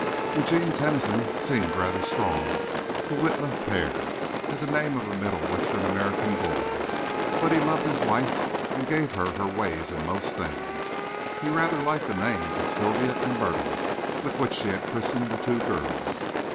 Eugene Tennyson seemed rather strong to Witla père, as the name of a middle western American boy, but he loved his wife and gave her her way in most things. He rather liked the names of Sylvia and Myrtle with which she had christened the two girls.